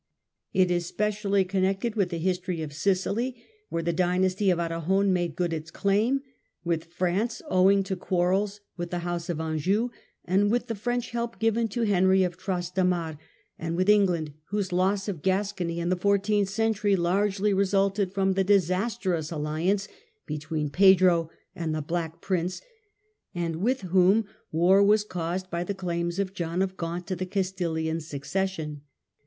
It is specially connected with the history of Sicily, where the dynasty of Aragon made good its claim ; with France, owing to quarrels with the House of Anjou, and with the French help given to Henry of Trastamare ; and with England, whose loss of Gascony in the fourteenth century largely resulted from the disastrous alHance between Pedro and the Black Prince, and with whom war was caused by the claims of John of Gaunt to the Castihan succession.